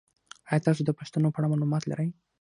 ایا تاسو د پښتنو په اړه معلومات لرئ؟